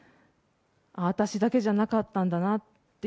私だけじゃなかったんだなって。